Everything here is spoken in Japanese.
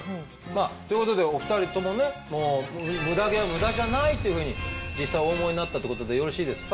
ということでお二人ともねムダ毛はムダじゃないというふうに実際お思いになったってことでよろしいですか？